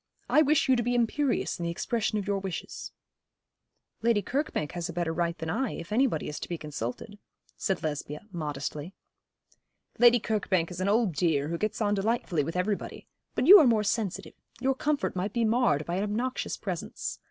I wish you to be imperious in the expression of your wishes.' 'Lady Kirkbank has a better right than I, if anybody is to be consulted,' said Lesbia, modestly. 'Lady Kirkbank is an old dear, who gets on delightfully with everybody. But you are more sensitive. Your comfort might be marred by an obnoxious presence.